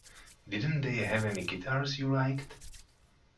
Didn't they have any guitars you liked?